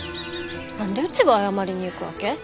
何でうちが謝りに行くわけ？